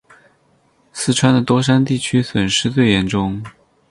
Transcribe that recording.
四川的多山地区损失最严重。